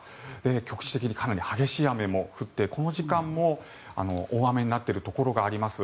局地的にかなり激しい雨も降ってこの時間も大雨になっているところがあります。